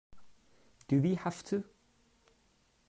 Do we have to?